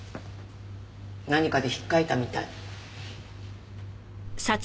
何かで引っかいたみたい。